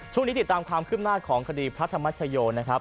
ช่วงนี้ติดตามความขึ้นหน้าของคดีพระธรรมชโยคนะครับ